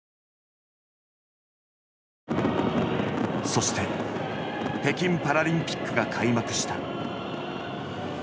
そして北京パラリンピックが開幕した。